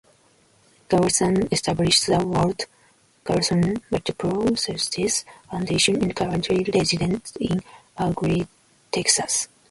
Garrison established the Walt Garrison Multiple Sclerosis Foundation and currently resides in Argyle, Texas.